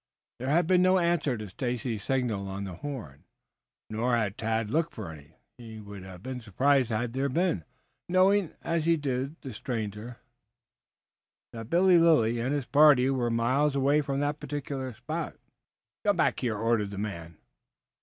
There had been no answer to Stacy's signal on the horn, nor had Tad looked for any. He would have been surprised had there been, knowing, as did the stranger, that Billy Lilly and his party were miles away from that particular spot. "Come back here!" ordered the man.